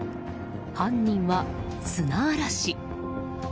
犯人は砂嵐。